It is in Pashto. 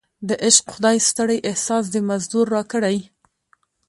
د عشق خدای ستړی احساس د مزدور راکړی